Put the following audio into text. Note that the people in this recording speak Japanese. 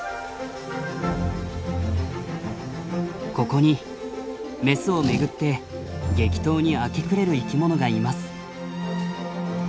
ここにメスを巡って激闘に明け暮れる生きものがいます。